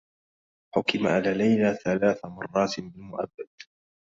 حُكِم على ليلى ثلاث مرّات بالمؤبّد.